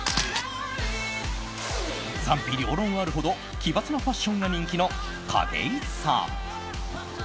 賛否両論あるほど奇抜なファッションが人気の景井さん。